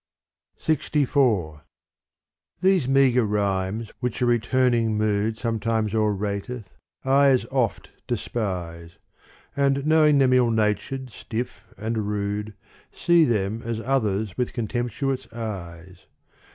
LXIV These meagre rhymes which a returning mood Sometimes o'errateth, I as oft despise : And knowing them illnatured, stiff and rude, See them as others with contemptuous eyes.